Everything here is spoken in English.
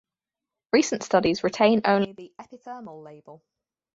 Recent studies retain only the "epithermal" label.